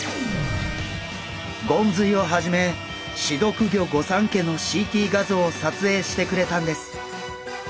ゴンズイをはじめ刺毒魚御三家のＣＴ画像を撮影してくれたんです。